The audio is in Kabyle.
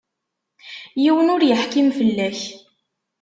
Yiwen ur yeḥkim fell-ak.